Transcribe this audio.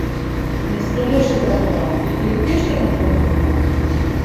Мәскәүгә шылтыратырға, элекке эшләгән урынына?